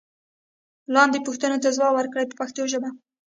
لاندې پوښتنو ته ځواب ورکړئ په پښتو ژبه.